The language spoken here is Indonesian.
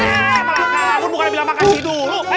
jadi kind of ini mohammad pun bisa biyak kamu sekarang aja